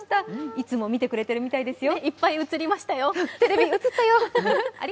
いつも見てくれてるみたいですよ。